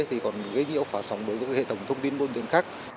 thì còn gây nhiễu phá sóng bởi các hệ thống thông tin vô điện khác